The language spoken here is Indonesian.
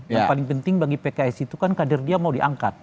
dan paling penting bagi pks itu kan kader dia mau diangkat